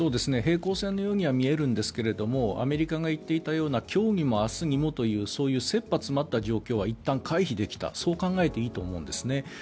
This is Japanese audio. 平行線のようには見えるんですがアメリカが言っていたような今日にも明日にもというそういう切羽詰まった状況はいったん回避できたそう考えていいと思うんです。